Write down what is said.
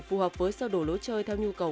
phù hợp với sơ đồ lối chơi theo nhu cầu